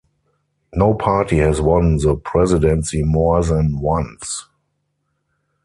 No party has won the presidency more than once.